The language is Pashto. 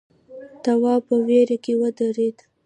تواب په وېره کې ودرېد.